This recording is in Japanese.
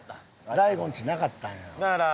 大悟んちなかったんや。